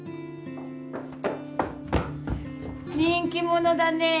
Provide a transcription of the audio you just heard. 人気者だねえ